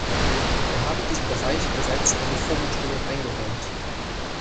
Wir haben diesem Bereich bereits eine Vorrangstellung eingeräumt.